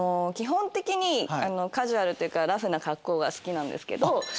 基本的にカジュアルというかラフな格好が好きなんですけど。